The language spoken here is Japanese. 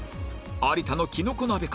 有田のきのこ鍋か？